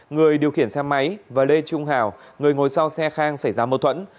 người điều khiển xe máy và lê trung hào người ngồi sau xe khang xảy ra mâu thuẫn